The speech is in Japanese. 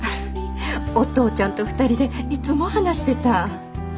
お父ちゃんと２人でいつも話してた。